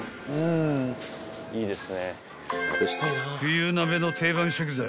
［冬鍋の定番食材